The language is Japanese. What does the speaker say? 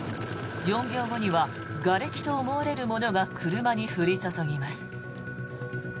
４秒後にはがれきと思われるものが車に降り注ぎます。